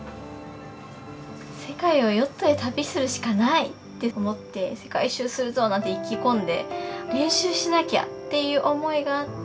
世界をヨットで旅するしかない！って思って世界一周するぞ！なんて意気込んで練習しなきゃっていう思いがあって。